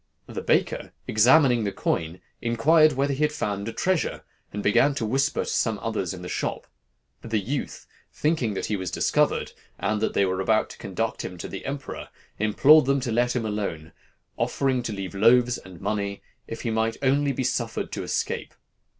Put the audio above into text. The baker, examining the coin, inquired whether he had found a treasure, and began to whisper to some others in the shop. The youth, thinking that he was discovered, and that they were about to conduct him to the emperor, implored them to let him alone, offering to leave loaves and money if he might only be suffered to escape.